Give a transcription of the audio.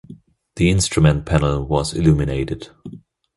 The instrument panel was illuminated.